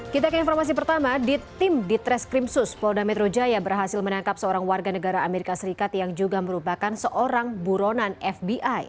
kita ke informasi pertama di tim di treskrimsus polda metro jaya berhasil menangkap seorang warga negara amerika serikat yang juga merupakan seorang buronan fbi